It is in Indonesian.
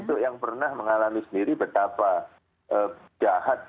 untuk yang pernah mengalami sendiri betapa jahat